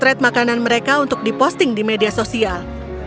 seret makanan mereka untuk diposting di media sosial